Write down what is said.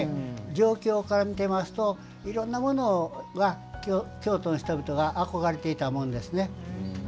状況からみていますといろんなものが京都の人々が憧れていたものですね。